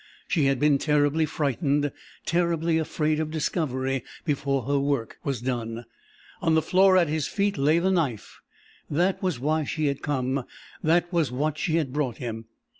She had been terribly frightened, terribly afraid of discovery before her work was done. On the floor at his feet lay the knife. That was why she had come, that was what she had brought him!